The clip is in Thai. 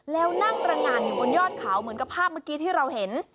แล้วนั่งตรงานอยู่บนยอดเขาเหมือนกับภาพเมื่อกี้ที่เราเห็น